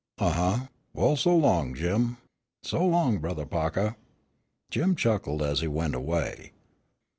"Uh, huh! well, so long, Jim." "So long, Brothah Pahkah." Jim chuckled as he went away.